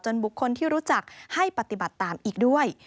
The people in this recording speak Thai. บุคคลที่รู้จักให้ปฏิบัติตามอีกด้วย